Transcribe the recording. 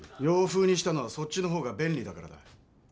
洋風にしたのはそっちの方が便利だからだ。